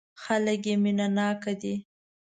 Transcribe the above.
خلک یې مینه ناک دي.